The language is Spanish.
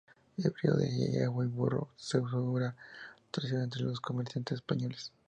Híbrido de yegua y burro, su uso era tradicional entre los comerciantes españoles.